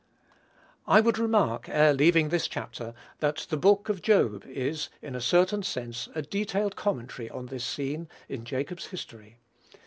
I would remark, ere leaving this chapter, that the book of Job is, in a certain sense, a detailed commentary on this scene in Jacob's history.